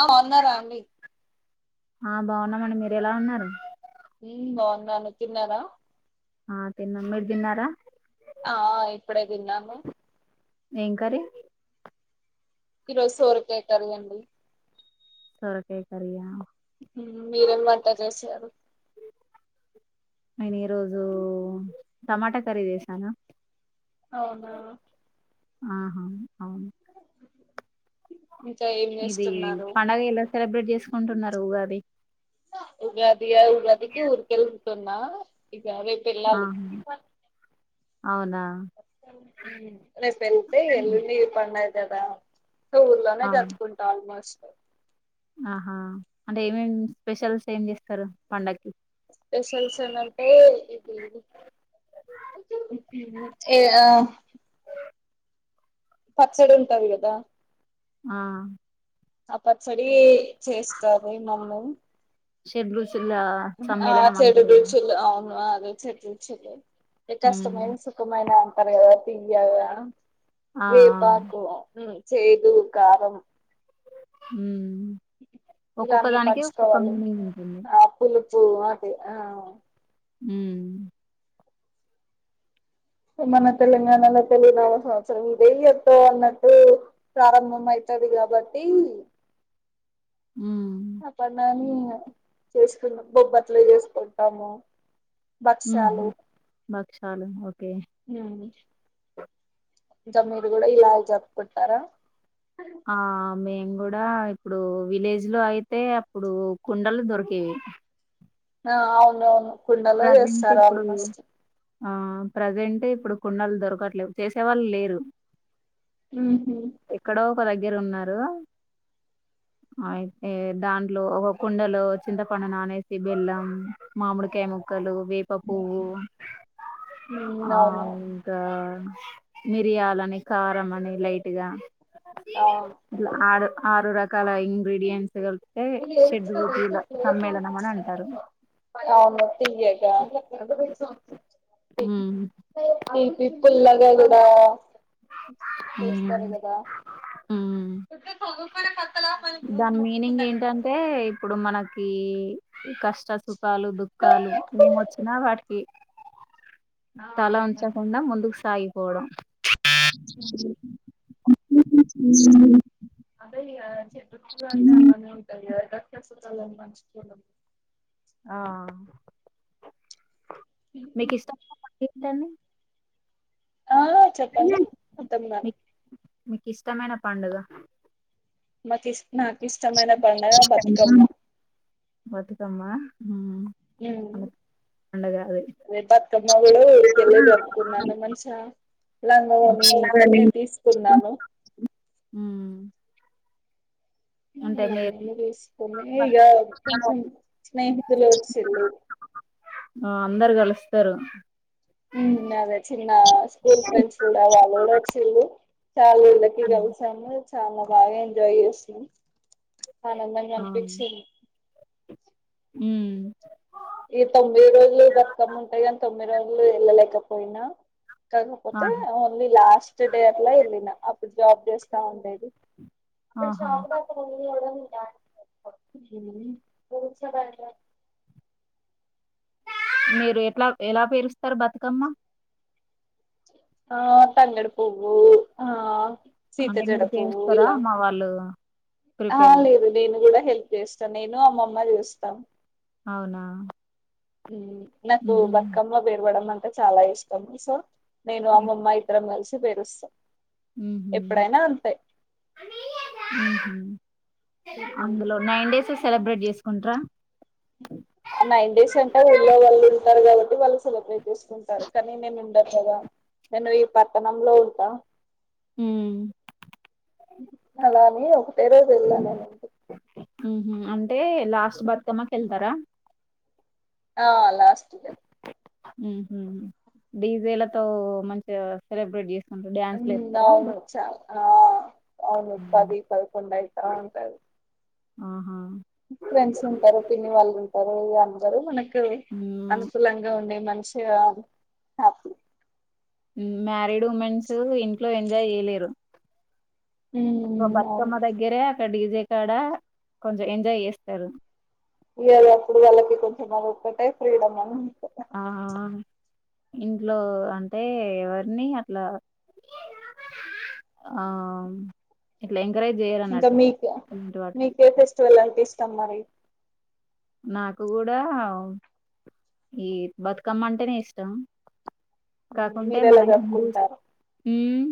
ఆ బాగున్నారా అండి ఆ బాగున్నామండి మీరు ఎలా ఉన్నారు ఉ బాగున్నాను తిన్నారా ఆ తన్నమ్ మిర్ దన్నారా ఆ ఇప్పుడే తిన్నాము ఏం కర్రీ ఈరోజు సొరకాయ కర్రీ అండి సొరకాయ కర్రీయా మీరేం వంట చేసారు నేను ఈరోోజు టమాటా కర్రీదేశానా అవునా ఆహా అవును ఇంకా ఏం ఇది చేస్తున్నారు పండగ ఇలా సెలబ్రేట్ చేసుకుంటున్నారు ఉగాది ఉగాది ఉగాదికి ఊర్కెల్లి ఉంటున్నా కాలేజ్ కి ఎళ్ళాలి ఆహా అవునా రేపు వెళ్తే ఎల్లుండి పండగ కదా ఊర్లోనే ఆ గట్టుకుంటా ఆల్మోస్ట్ ఆహా అంటే ఏమేం స్పెషల్స్ ఏం చేస్తారు పండక్కి స్పెషల్స్ ఏమంటే ఇది ఏ ఆ పచ్చడి ఉంటాది కదా ఆ ఆ పచ్చడి చేస్తంది మమ్మని [unintelligible] ఆ సమ్మేళనం చెడు అంటారు కదా బీచుల్ అవును [unintelligible] ఉమ్ కష్టమైన సుఖమైన అంటారు కదా తియ్యాగ ఆ ఆ వేపాకు చేదు కారం హ్మ్ ఇలా అన్నీ పంచుకోవాలి మీనింగ్ ఉంటుంది అప్పులు చిన్నప్పులు మ్మ్ మన తెలంగాణలో తెలుగు నామ సంవత్సరం ఇదేయ [unintelligible] త్తో అన్నట్టు ప్రారంభంమయి వస్తాది కాబట్టి ఉమ్ చేసుకున్నాం బొబ్బట్లు చేసుకుంటాము భక్షాలు ఉహు భక్షాలు ఓకే ఇలా చెప్తుంటారా ఆ మేయిన్ కూడా ఇప్పుడు విలేజ్ లో అయితే అప్పుడు కుండలు దొరికేవి ఆ అవును అవును కుండలో ప్రజెంట్ చేస్తారు ఇప్పుడు ఆల్మోస్ట్ ఆ ప్రజెంట్ ఇప్పుడు కుండలు దొరకట్లేవు చేసే వాళ్ళు లేరు ఆహొ ఒక్క దగ్గర ఉన్నారు అయితే దాంట్లో ఒక కుండలో చింతపండు నానేసి బెల్లం మామిడికాయ ము ముక్కలు వేప పువ్వు ఉమ్ ఆ అవునవును ఇంకా మిరియాలని కారం అని లైట్గా అవును ఆరు రకాల ఇంగ్రీడియంట్స్ కలిపి తే షెడ్రురుచుల సమ్మేళనం అని అంటారు అవును తియ్యగా మ్మ్ ఆ ఏపి పుల్లల్ ఉమ్, తేస్తారు కదా ఉమ్. దాని మీనింగ్ ఏంటంటే ఇప్పుడు మనకి ఈ కష్ట సుఖాలు దుఃఖాలు ఏం వచ్చినా వాటికి తల ఉంచకుండా ముందుకు సాగిపోవడం చ అదే ఇగ చెదు్ [unintelligible] ర పలు అంటే అలానే ఉంటాయి ఖదా అలా మంచిపో ఆ మీకు ఇష్టమా [unintelligible] చెప్పండి మీ మొత్తం దాన మీకు ఇష్టమైన పండుగ నాక్ ఇష్ట్ నాకు ఇష్టమైన పండుగ బతుకమ్మ బతుకమ్మ ఉమ్, నావున మన పండగ అది అదే బతుకమ్మ కూడా ఇకలిదర్కు నన్న మనిషా [unintelligible] ఏ తీసుకున్నాను మ్మ్ ఇ అంటే మీరు లంగా వొని వేసుకొని కొంచెం స్నేహితులు వచ్చిల్లు ఆ అందరు కలుస్తార అదే చిన్న స్కూల్ ఫ్రెండ్స్ కూడా వాళ్ళు కూడా వచ్చిండ్లు చాలా ఏళ్ళకి ఉమ్, కలుసాము చాలా బాగా ఎంజాయ్ చేసాం ఆనందంగా ఆ, అనిపించింది ఉమ్ ఈ తొమ్మిది రోజులు బతుకమ్మ ఉంటాయి కాని తొమ్మిది రోజులు వెళ్ళలేకపోయినా ఆ, కాకపోతే ఓన్లీ లాస్ట్ డే అట్లా వెళ్ళిన అప్పుడు జాబ్ చేస్తా ఉండేది అప్పుడు ఆహా షాపుడ మ ఎ [inaudible] హ్మ్మ్ [inaudible] మీరు ఎట్లా ఎలా పేరుస్తారు బతుకమ్మ ఆ తంగేడు పువ్వు ఆ శీతా అంటే మీరు జడపూవు పేరుస్తారా ఇలా మా వాళ్ళు హ ప్రిపేర్ లేదు నేను కూడా హెల్ చేస్తా నేను అమ్మమ్మ చేస్తాం అవునా హ్మ్మ్ నాకు ఉహుం. బతుకమ్మ పేర్వడం అంటె చాలా ఇష్టం సో నేను అమ్మమ్మ ఇద్దరం కలిసి పేరుస్తాం ఉహు ఎప్పుడైనా అంతే ఉహు అందులో నైన్ డేస్ సెలబ్రేట్ చేసుకుంటార నైన్ డేస్ అంటే ఊళ్ళో వాళ్ళు ఉంటారు కాబట్టి వాళ్ళు సెలబ్రేట్ చేసుకుంటారు కానీ నేను ఉండను కదా నేను ఈ పట్టణంలో ఉంటా హ్మ్. అలాని ఉహు అంటే లాస్ట్ బతుకమ్మకి వెళ్తారా ఆ లాస్ట్ కే ఉహు డీజేలతో మంచిగా సెలబ్రేట్ చేసి ఉ అవును చ ఆ అవును పది పదకొండు అయిత ఉంటది ఆహా ఫ్రెండ్స్ ఉంటారు పిన్ని వాళ్ళు ఉంటారు ఇగా అందరూ మనకు హ్మ్. అనుకూలంగా ఉండే మంచిగా హ్యాపీ హ్మ్మ్ మ్యారీడ్ ఉమెన్స్ ఇంట్లో ఎంజాయ్ చేయలేరు ఒక ఉమ్ అవును బతుకమ్మ దగ్గరే క్కడ డిీజే కాడ కొంచెం ఎంజాయ్ చేస్తారు ఇ అప్పుడు వాళ్ళకి కొంచెం అదొక్కటే ఫ్రీడమ్ అని ఆ ఇంట్లో అంటే ఎవరిని అట్లా ఆ ఇట్ల ఇంకా మీకు మీకే ఫెస్టివల్ అంటే ఇష్టం మరి నాకు కూడా ఈ బతుకమ్మ అంటేనే ఇష్టం కాకుంటే మీరు ఎలా మనా హిందూస్ జరుపుకుంటారు హ్మ్మ్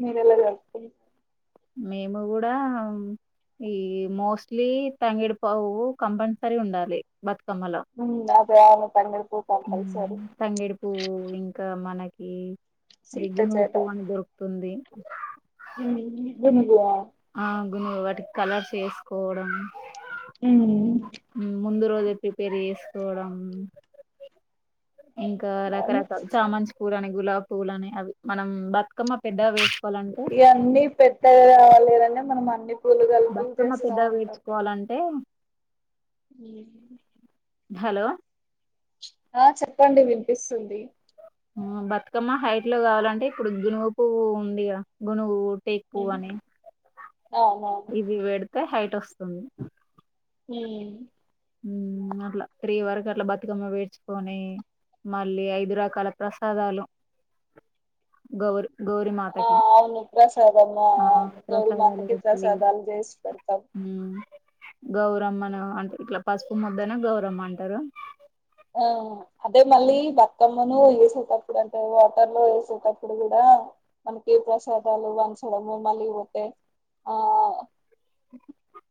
మీరెలా జరుపు మేము కూడా ఈ మోస్ట్లీ తంగిడి పావు కంపల్సరీ ఉండాలి బతుక ఉ అదే అవును తంగేడు పూవు కంపల్సరి తంగేడి పువ్వు ఇంకా మనకి అది గునుగు పూవు అని దొరుకుతుంది హ్మ్మ్ గునుగు ఆ ఆ గునుగు వాటికి కలర్స్ వేసుకోవడం హ్మ్మ్ హ్మ్మ్ ముందు రోజే ప్రిపేర్ చేసుకోవడం ఇంకా అవును రకరకాల చామంతి పూలు అని గులాబి పూల అని అవి మనం బతుకమ్మ పెద్దవిే ఇవన్నీ పెద్దగా లేవని మనం అన్ని పూలు కల్పి బతుకమ్మ చేస్తా పెద్దగా ఉంటాం వేసుకోవాలంటే ఉహ్మ్మ్ హలో ఆ చెప్పండి వినిపిస్తుంది బతుకమ్మ హైట్ లో కావాలంటే ఇప్పుడు గునుగుపు ఉంది గునుగు టేకు ఉమ్, అని అవునవును ఇది పెడితే హైట్ వస్తుంది ఉమ్ ఉమ్ అట్లా త్రీ వరకు అట్లా బతుకమ్మ వేడ్చుకొని మళ్ళీ ఐదు రకాల ప్రసాదాలు గౌరి గౌరిమాతకి సరే మా ఆ ప్రసాదాలు గౌరిమాతకి పెట్టి ప్రసాదాలు చేసి పెడతాం గౌరమ్మని అంట ఇట్లా పసుపు ముద్దనే గౌరమ్మ అంటారు ఆ అదే మళ్ళీ బతుకమ్మను వేసేటప్పుడు అంటే వాటర్ లో వేసేటప్పుడు కూడా మనకి ఏ ప్రసాదాలు వంచడం మళ్ళీ పోతే ఆ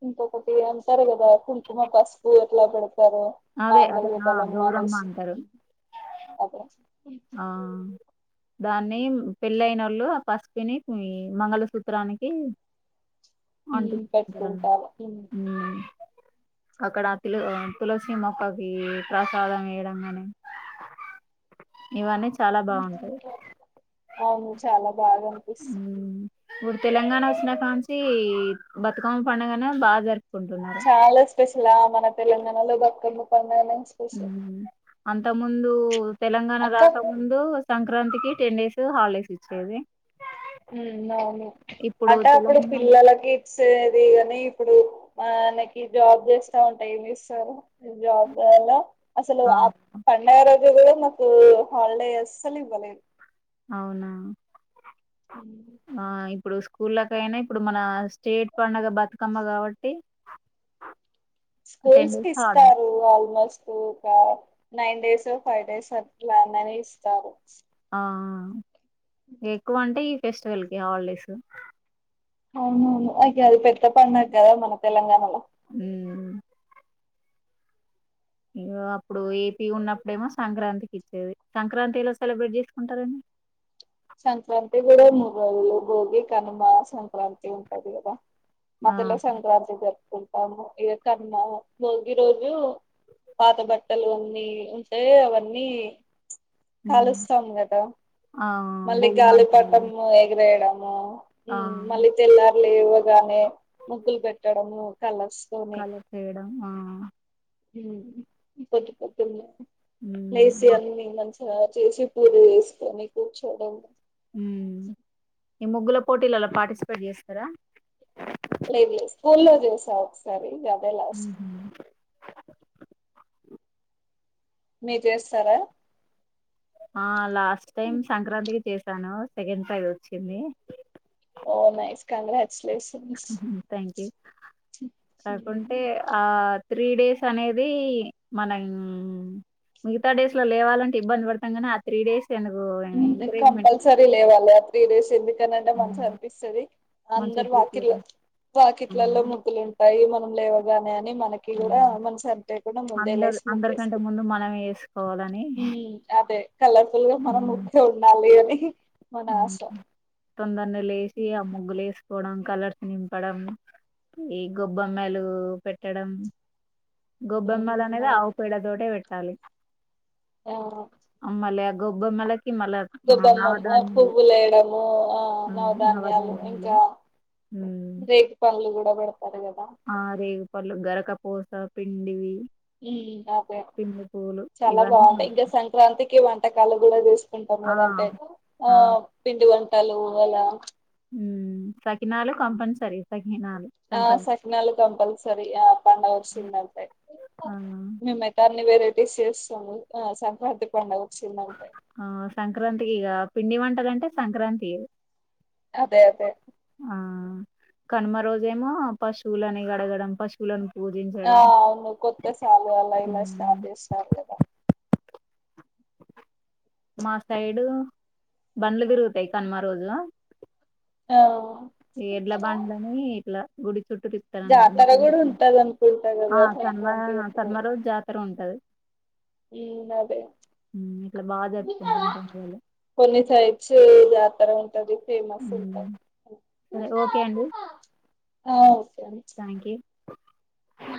ఇంక ఒకటి అంటారు కదా కుంకుమ పసుపు ఎట్లా పెడత దరు అదే అదే మాంగల్య ఆ, బలం గౌరమ్మ అనేసి అంటారు అదే ఆ దాన్ని పెళ్ళయిన వాళ్ళు ఆ పసుపుని మంగళసూత్రానికి అంటి ఉమ్, పెట్టుకుంటారు ఉమ్ అక్కడ ఆ పిల్ల ఆ తులసి మొక్కకి ప్రసాదం వేయడం కాని ఇవన్నీ బాగుంటాయి అవును చాలా బాగా అనిపిస్తూ ఇప్పుడు తెలంగాణ వచ్చిన కానుంచి బతుకమ్మ పండుగనే బాగా జరి చాలా స్పెషలా మన తెలంగాణలో బతుకమ్మ పండుగనే స్పెషల్ ఉమ్ అంత ముందు తెలంగాణ అక్క రాక ముందు సంక్రాంతికి టెన్ డేస్ హాలిడేస్ ఇచ్చేది ఇప్పుడు అంటే అక్కడ తెలంగాణ పిల్లలకి వేదిగాని ఇప్పుడు మనకి జాబ్ చేస్తా ఉంటా ఏమి ఇస్తారు జాబ్ గోల అసలు ఆ పండగ రోజు ఈ రోజు నుంచి హాలిడేస్ అసలు ఇవ్వలే అవునా హమ్ ఆ ఇప్పుడు స్కూళ్లకు ఐనా ఇప్పుడు మన స్టేట్ పండగ బతుకమ్మ కాబట్టి టెన్ స్కూల్స్ కి డేస్ హాలిడేస్ ఇస్తారు ఆల్మోస్ట్ ఒక నైన్ డేస్ ఫైవ్ డేస్ అట్లా నని ఇస్తారు ఆ ఎక్కువ అంటే ఈ ఫెస్టివల్ కే హాలిడేస్ అవును అవును అయితే పెద్ద పండుగ కదా మన తెలంగాణలో ఉమ్ అప్పుడు ఏపీ ఉన్నప్పుడేమో సంక్రాంతికి ఇచ్చేది సంక్రాంతిలా సెలబ్రేట్ చేసుకుంటారండి సంక్రాంతి కూడా ముగళ్ళలు భోగి కనుమ సంక్రాంతి ఉంటది కదా ఆ మధ్యలో సంక్రాంతి జరుపుకుంటాము ఇక కనుము భోగి రోజు పాత బట్టలు అన్నీ ఉంటే అవన్నీ హ్మ్. కాలుస్తాం కదా ఆ మళ్ళీ గాలి భోగిమంటలు పటము ఎగిరేయడము ఆ ఉమ్ మళ్ళీ తెల్లారి లేవగానే ముగ్గులు పెట్టడము కలర్స్ తోని కలుపు వేయడం ఆ ఉమ్ పోద్దుపోద్దునే లేసి మ్మ్ అన్ని మ చేసి పూజ చేసుకొని కూర్చోడం ఉమ్ ఈ ముగ్గుల పోటీలు అలా పార్టిసిపేట్ చేస్తారా లేదు లే స్కూల్లో చూసా ఒకసారి ఇక అదే లాస్ట్ హుహు. మీరు చేస్తారా ఆ లాస్ట్ టైం సంక్రాంతికి చేసాను సెకండ్ ప్రైజ్ వచ్చింది ఓ నైస్ కంగ్రాట్స్ థ్యాంక్ యూ కాకుంటే ఆ త్రీ డేస్ అనేది మనం మిగతా డేస్ లో లేవాలంట ఇబ్బంది పడతాంకానీ ఆ త్రి డేస్ ఎందుకు కంపల్సరీ ఎంకరేజ్మెంట్ లేవాలి ఆ త్రీ డేస్ ఎంది కనంటే మనసు అనిపిస్తుంది మంచిగా అందరు వాకిల ప్రిపేరెన్స్ వాకిట్లలో ముగ్గులు ఉంటాయి మనం లేవగానే అ మనకి కూడా మన సనికుడా ముందే అందరు లేసి ముగు అందరికంటే వేసుకో ముందు మనమే వేసుకోవాలని అదే కలర్ఫుల్ గా మనం ముగ్గులు ఉండాలి అని మన ఆశ హ తొందర్నె లేసి ఉమ్, ఆ ముగ్గు లేసు కొడం కలర్స్ నింపడం ఈ గొబ్బమ్మాలు పెట్టడం గొబ్బెమ్మలు అనేది అవును ఆవుపెడతోటే పెట్టాలి అమ్మలే గొబ్బెమ్మలు గొబ్బమ్మమ్ పువ్వు లేయడము ఆ నవధాన్యాలు ఇంకా రేగు పళ్ళు కూడా పెడతారు కదా అ రేగు పళ్ళు గారాకాపూస పిండి అదే పూలు చాలా ఇవన్నీ బాగుంటాయి ఇంకా సంక్రాంతికి వంటకాలు కూడా తీసు తింటాం ఆ కదా అంటే ఆ పిండి వంటలు అలా ఉ సకినాలుగు కంపల్సరి సకి ఆ సకినాలు కంపల్సరీ ఆ పండగ వచ్చిందంటే ఆ మేమైతే అన్ని వెరైటీస్ చేస్తాము ఆ సంక్రాంతి పండుగ వచ్చిందంటే ఆ సంక్రాంతి ఈగ పిండి మంట అంటే సంక్రాంతి ఏ అదే అదే కనుమ రోజేమో పశువులని గడగడం పశువులను ఆ పూజించడం అవును కొత్త సాలు అలా ఇలా ఉమ్, అద సాలుద [inaudible] మా సైడు బండ్లు తిరుగుతాయి కనమా రోజుల అ ఎడ్ల బండ్లని ఇట్లా గుడి చుట్టూ జాతర తిపుతారున్నది కూడా ఉంటది అనుకుంటా కదా సన్మా సంక్రాంతి సన్మ రోజు జాతర ఉంటుంది టది ఇ అదే ఇట్లా బాగా జరుపుకుంటాం పండుగలు కొన్ని సైడేసు జ తార ఉంటది ఫేమస్ ఉంట ఉమ్, సరే థాంకి ఆ